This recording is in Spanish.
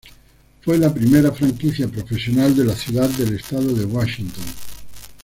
Fue la primera franquicia profesional de la ciudad del estado de Washington.